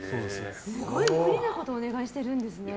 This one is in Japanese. すごい、無理なことをお願いしてるんですね。